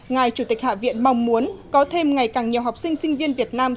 ngài chủ tịch hạ viện mong muốn có thêm ngày càng nhiều học sinh sinh viên việt nam